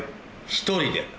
１人で。